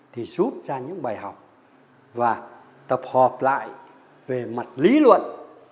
thì rút ra những bài học và tập hợp lại về mặt lý luận